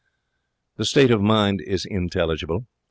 The state of mind is intelligible.